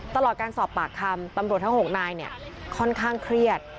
ตลอดการสอบปากคำตำรวจทั้ง๖นายค่อนข้างเครียด